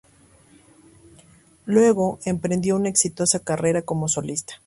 Luego emprendió una exitosa carrera como solista.